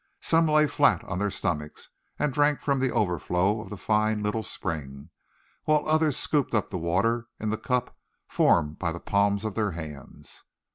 Some lay flat on their stomachs, and drank from the overflow of the fine little spring; while others scooped up the water in the cup formed by the palms of their hands.